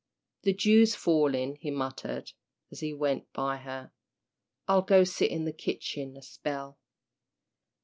"The dew's falling," he muttered, as he went by her. "I'll go sit in the kitchen a spell."